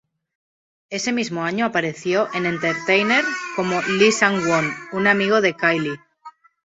Ese mismo año apareció en Entertainer como Lee Sang-won, un amigo de Kyle.